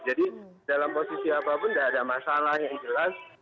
jadi dalam posisi apapun tidak ada masalah yang jelas